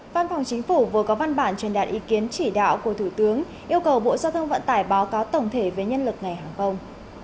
văn phòng chính phủ vừa có văn bản truyền đạt ý kiến chỉ đạo của thủ tướng yêu cầu bộ giao thông vận tải báo cáo tổng thể về nhân lực ngành hàng không